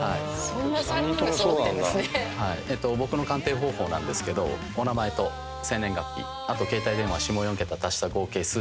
僕の鑑定方法なんですけどお名前と生年月日あと携帯電話下４桁足した合計数字で見ます。